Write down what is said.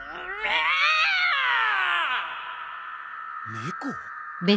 猫？